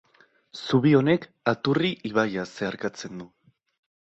Zubi honek Aturri ibaia zeharkatzen du.